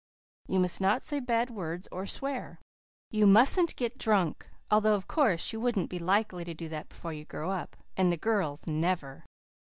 You must not say bad words or swear. You mustn't get drunk although of course you wouldn't be likely to do that before you grow up, and the girls never.